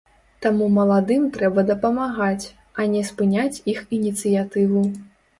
Таму маладым трэба дапамагаць, а не спыняць іх ініцыятыву.